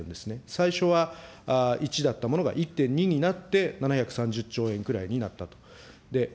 最初は１だったものが１．２になって、７３０兆円くらいになったと。